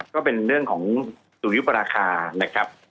ก็เป็นเรื่องของสุริยุปราคานะครับ